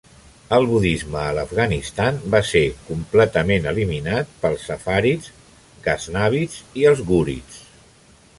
El budisme a l'Afganistan va ser completament eliminat pels Saffarids, Ghaznavids i els Ghurids.